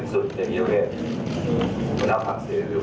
สวัสดีครับสวัสดีครับ